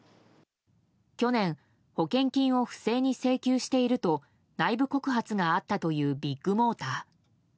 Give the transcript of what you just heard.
去年保険金を不正に請求していると内部告発があったというビッグモーター。